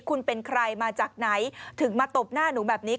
คุณเป็นใครมาจากไหนถึงมาตบหน้าหนูแบบนี้